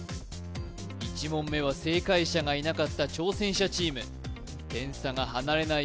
１問目は正解者がいなかった挑戦者チーム点差が離れないよう